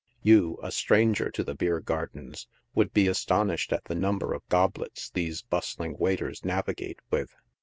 You, a stranger to the beer gardens, would be astonished at the number of goblets these bust ling waiters navigate with.